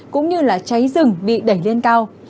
cũng như là cháy giấc mơ